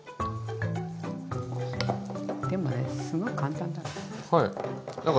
でもねすごい簡単だから。